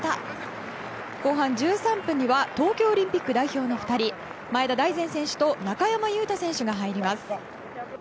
後半１３分には東京オリンピック代表の２人前田大然選手と中山雄太選手が入ります。